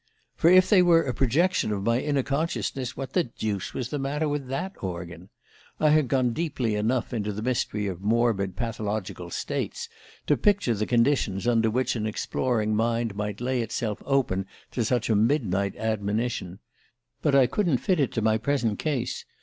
For if they were a projection of my inner consciousness, what the deuce was the matter with that organ? I had gone deeply enough into the mystery of morbid pathological states to picture the conditions under which an exploring mind might lay itself open to such a midnight admonition; but I couldn't fit it to my present case.